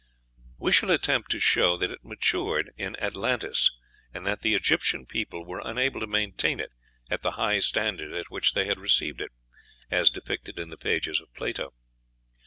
We shall attempt to show that it matured in Atlantis, and that the Egyptian people were unable to maintain it at the high standard at which they had received it, as depicted in the pages of Plato.